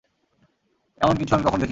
এমন কিছু আমি কখনো দেখিনি।